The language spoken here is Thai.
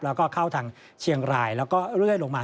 แล้วก็เข้าทางเชียงรายแล้วก็เรื่อยลงมา